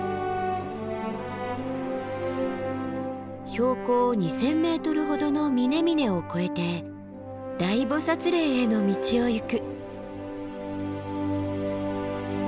標高２，０００ｍほどの峰々を越えて大菩嶺への道を行く。